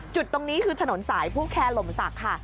จุดตรงนี้คือถนนสายผู้แคร์ลมศักดิ์ค่ะ